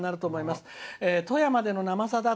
富山での「生さだ」